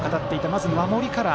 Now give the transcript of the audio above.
まず守りから